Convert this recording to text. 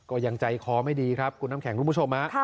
ก็ยังใจคอไม่ดีครับคุณน้ำแข็งคุณผู้ชมฮะ